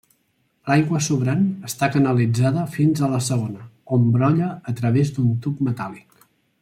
L'aigua sobrant està canalitzada fins a la segona, on brolla a través d'un tub metàl·lic.